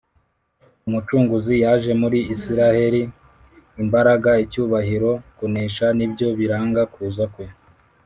. Umucunguzi yaje muri Isiraheli! Imbaraga, icyubahiro, kunesha, nibyo biranga kuza kwe.